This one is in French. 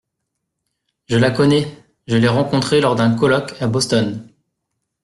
Je la connais, je l’ai rencontrée lors d’un colloque à Boston